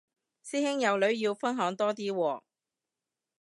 師兄有女要分享多啲喎